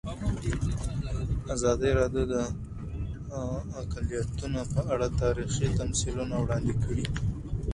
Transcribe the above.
ازادي راډیو د اقلیتونه په اړه تاریخي تمثیلونه وړاندې کړي.